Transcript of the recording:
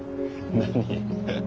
何？